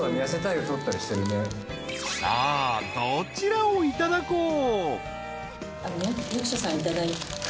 ［さあどちらをいただこう？］